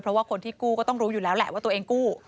เพราะว่าคนที่กู้ก็ต้องรู้อยู่แล้วแหละว่าตัวเองกู้